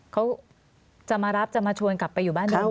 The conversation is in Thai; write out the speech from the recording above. เขาจะมารับจะมาชวนกลับไปอยู่บ้านเดิมไหมคะ